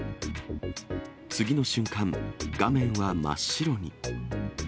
次の瞬間、画面は真っ白に。